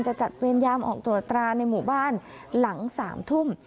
จะจัดเวรยามออกตรวจตราในหมู่บ้านหลัง๓ทุ่ม